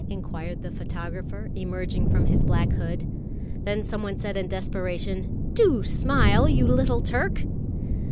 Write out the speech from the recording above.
inquired the photographer, emerging from his black hood; then someone said in desperation: "Do smile, you little Turk!"